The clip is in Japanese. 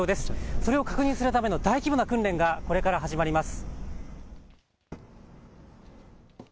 それを確認するための大規模な訓練がこれから始まります。